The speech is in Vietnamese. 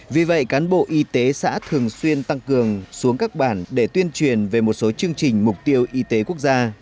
vì vậy cán bộ y tế xã thường xuyên tăng cường xuống các bản để tuyên truyền về một số chương trình mục tiêu y tế quốc gia